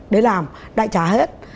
để làm đại trả hết